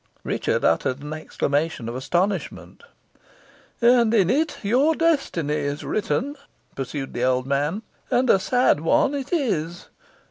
Richard uttered an exclamation of astonishment. "And in it your destiny is written," pursued the old man; "and a sad one it is.